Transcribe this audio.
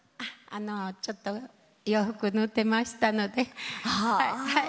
ちょっと洋服、縫ってましたので。